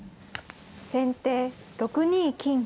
先手６二金。